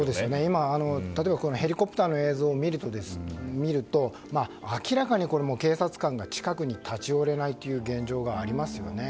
今、例えばヘリコプターの映像を見ると明らかに警察官が、近くに立ち寄れない現状がありますよね。